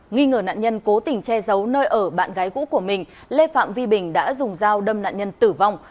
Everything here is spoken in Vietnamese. nghi ngờ nạn nhân cố tình che giấu nơi ở bạn gái cũ của mình lê phạm vi bình đã dùng dao đâm nạn nhân tử vong